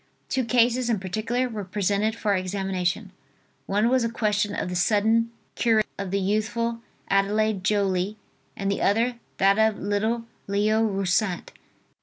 Two cases in particular were presented for examination. One was a question of the sudden cure of the youthful Adelaide Joly, and the other, that of little Leo Roussat.